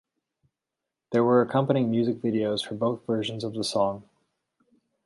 There were accompanying music videos for both versions of the song.